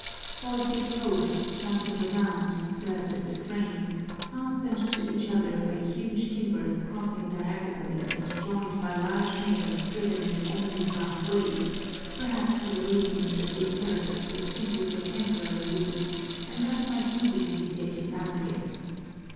Four thick posts sunk in the ground served as a frame, fastened to each other by huge timbers crossing diagonally and joined by large nails driven in only half way, perhaps for the reason that the apparatus was simply for temporary use and thus might easily be taken down again.